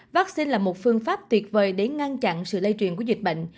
vắc xin là một phương pháp tuyệt vời để ngăn chặn sự lây truyền của dịch bệnh